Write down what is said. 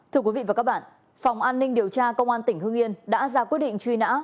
thưa quý vị và các bạn phòng an ninh điều tra công an tỉnh hương yên đã ra quyết định truy nã